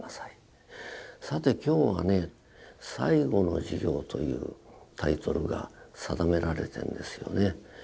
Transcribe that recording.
さて今日はね「最後の授業」というタイトルが定められてんですよね。